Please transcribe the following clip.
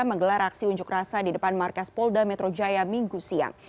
menggelar aksi unjuk rasa di depan markas polda metro jaya minggu siang